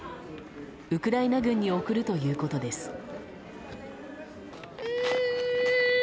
ウクライナ軍に送るということです。